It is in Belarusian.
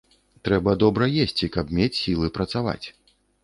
Трэба добра есці, каб мець сілы працаваць.